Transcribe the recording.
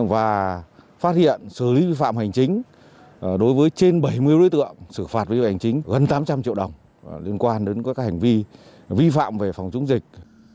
và phát hiện xử lý phạm hành chính đối với trên bảy mươi đối tượng xử phạt vi hành chính gần tám trăm linh triệu đồng liên quan đến các hành vi vi phạm về phòng chống dịch